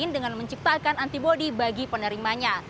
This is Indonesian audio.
dengan menciptakan antibody bagi penerimanya